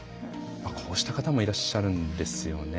こうした方もいらっしゃるんですよね。